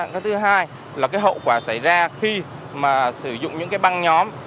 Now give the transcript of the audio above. cái thứ hai là cái hậu quả xảy ra khi mà sử dụng những cái băng nhóm